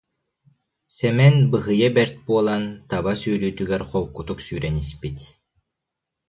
Сэмэн быһыйа бэрт буолан, таба сүүрүүтүгэр холкутук сүүрэн испит